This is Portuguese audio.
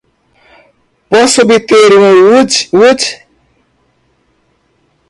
Posso obter um woot woot!?